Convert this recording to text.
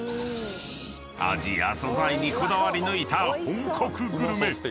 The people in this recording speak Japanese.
［味や素材にこだわり抜いた本格グルメ］